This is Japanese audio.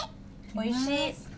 おいしい。